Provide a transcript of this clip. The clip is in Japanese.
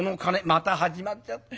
「また始まっちゃった。